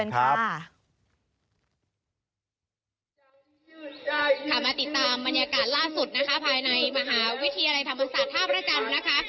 มาติดตามบรรยากาศล่าสุดนะคะภายในมหาวิทยาลัยธรรมศาสตร์ท่าพระจันทร์นะคะ